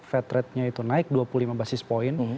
fed rate nya itu naik dua puluh lima basis point